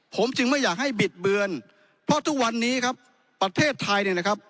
ผมจึงไม่อยากให้บิดเบือนเพราะทุกวันนี้ครับประเทศไทยเนี่ยนะครับ